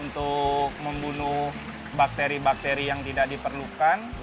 untuk membunuh bakteri bakteri yang tidak diperlukan